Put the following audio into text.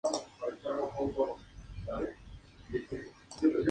En la segunda conoció a Aristide Maillol, quien sería su mentor.